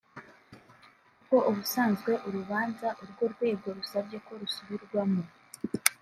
kuko ubusanzwe urubanza urwo rwego rusabye ko rusubirwamo